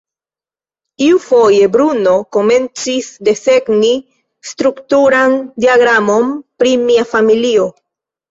Iufoje Bruno komencis desegni strukturan diagramon pri mia familio.